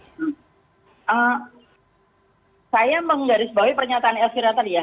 saya menggarisbawahi pernyataan elvira tadi ya